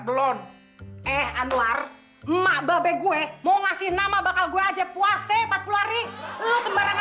belum eh anwar emak babek gue mau ngasih nama bakal gue aja puase empat puluh hari lu sebarangan